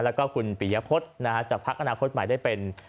แล้วก็คุณปียพฤษจากภักดิ์อนาคตใหม่ได้เป็น